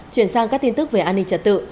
chuyển sang các tin tức về an ninh trật tự